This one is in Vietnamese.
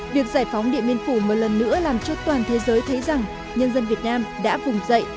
việc giải phóng điện biên phủ một lần nữa làm cho toàn thế giới thấy rằng nhân dân việt nam đã vùng dậy